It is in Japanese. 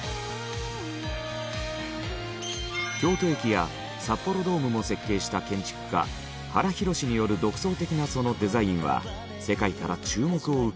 京都駅や札幌ドームも設計した建築家原広司による独創的なそのデザインは世界から注目を受け。